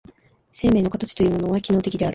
生物の形というのは機能的である。